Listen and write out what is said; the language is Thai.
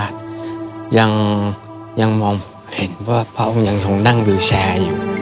ความเอ็นดู